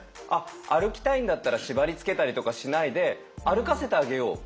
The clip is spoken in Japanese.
歩きたいんだったら縛りつけたりとかしないで歩かせてあげよう。